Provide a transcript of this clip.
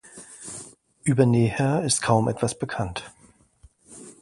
Über Neher ist kaum etwas bekannt.